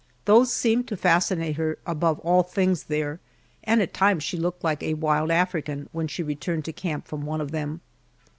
Those seemed to fascinate her above all things there, and at times she looked like a wild African when she returned to camp from one of them.